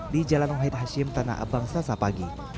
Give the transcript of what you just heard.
di jalan uhait hashim tanah abang sasa pagi